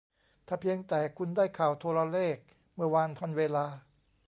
ถ้าเพียงแต่คุณได้ข่าวโทรเลขเมื่อวานทันเวลา